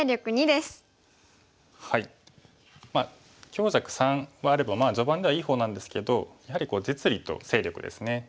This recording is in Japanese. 強弱３あれば序盤ではいい方なんですけどやはり実利と勢力ですね。